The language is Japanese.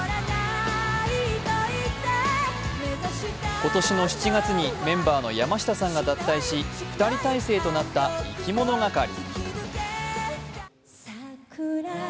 今年の７月にメンバーの山下さんが脱退し、２人体制となったいきものがかり。